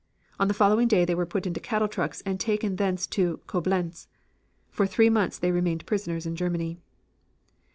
On the following day they were put into cattle trucks and taken thence to Coblenz. For three months they remained prisoners in Germany.